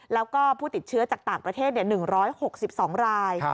แล้วก็ผู้ติดเชื้อจากต่างประเทศ๑๖๒ราย